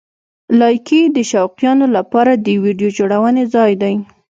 لایکي د شوقیانو لپاره د ویډیو جوړونې ځای دی.